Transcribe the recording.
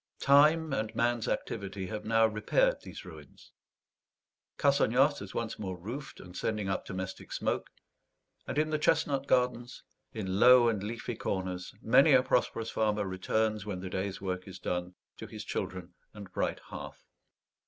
Time and man's activity have now repaired these ruins; Cassagnas is once more roofed and sending up domestic smoke; and in the chestnut gardens, in low and leafy corners, many a prosperous farmer returns, when the day's work is done, to his children and bright hearth.